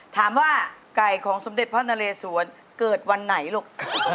ถามว่าไก่ของสมเด็จพระนเรสวนเกิดวันไหนลูก